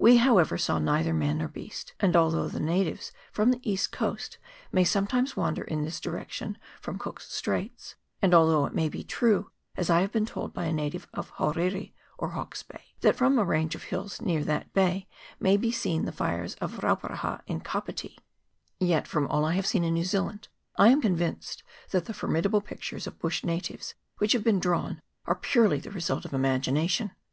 We, however, saw neither man nor beast ; and although the natives from the east coast may sometimes wander in this direction from Cook's Straits ; and although it may be true, as I have been told by a native of Hauriri, or Hawke's Bay, that from a range of hills near that bay may be seen the fires of Rauparaha in Kapiti ; yet, from all I have seen in New Zealand, I am convinced that the for midable pictures of bush natives which have been drawn are purely the result of imagination.